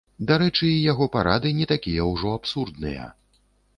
Дарэчы, і яго парады не такія ўжо абсурдныя.